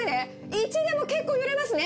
１でも結構揺れますね。